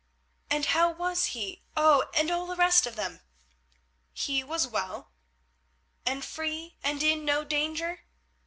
"And how was he—oh! and all the rest of them?" "He was well." "And free and in no danger?"